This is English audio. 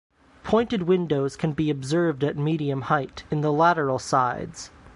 Pointed windows can be observed at medium height, in the lateral sides.